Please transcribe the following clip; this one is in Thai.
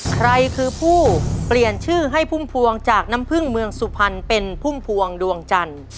ใครคือผู้เปลี่ยนชื่อให้พุ่มพวงจากน้ำพึ่งเมืองสุพรรณเป็นพุ่มพวงดวงจันทร์